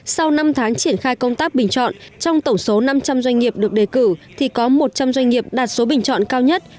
sau năm tháng triển khai công tác bình chọn trong tổng số năm trăm linh doanh nghiệp được đề cử thì có một trăm linh doanh nghiệp đạt số bình chọn cao nhất